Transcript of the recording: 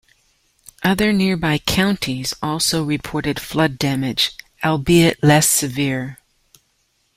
Other nearby counties also reported flood damage, albeit less severe.